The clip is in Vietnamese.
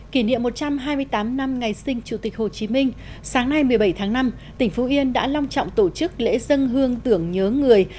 kỷ niệm một trăm hai mươi tám năm ngày sinh chủ tịch hồ chí minh sáng nay một mươi bảy tháng năm tỉnh phú yên đã long trọng tổ chức lễ dân hương tưởng nhớ người